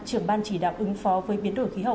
trưởng ban chỉ đạo ứng phó với biến đổi khí hậu